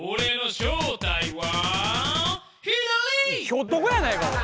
ひょっとこやないかおい。